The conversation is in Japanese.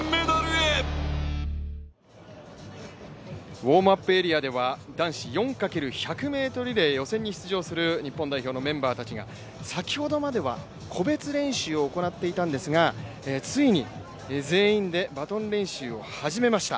ウォームアップエリアでは男子４×１００リレーに出場する日本代表のメンバーたちが先ほどまでは個別練習を行っていたんですがついに全員でバトン練習を始めました。